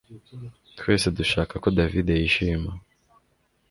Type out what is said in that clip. Twese dushaka ko David yishima